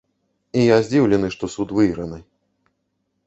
І я здзіўлены, што суд выйграны.